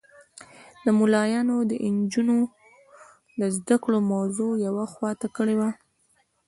ملایانو د نجونو د زده کړو موضوع یوه خوا ته کړې وه.